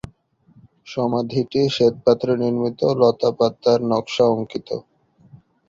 সমাধিটি শ্বেত পাথরে নির্মিত ও লতা পাতার নকশা অঙ্কিত।